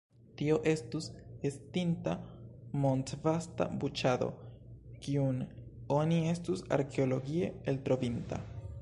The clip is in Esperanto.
Tio estus estinta mondvasta buĉado, kiun oni estus arkeologie eltrovinta.